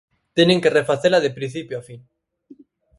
Teñen que refacela de principio a fin.